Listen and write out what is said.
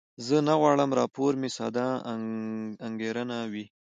زه نه غواړم راپور مې ساده انګارانه وي.